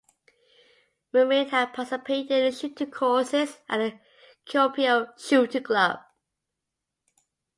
Marin had participated in shooting courses at the Kuopio Shooting Club.